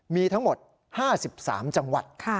มีทั้งหมด๕๓จังหวัด